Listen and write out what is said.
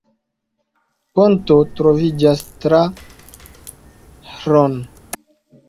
Ponto troviĝas tra Hron.